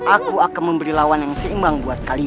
aku akan memberi lawan yang seimbang buat kalian